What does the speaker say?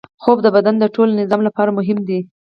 خوب د بدن د ټول نظام لپاره مهم دی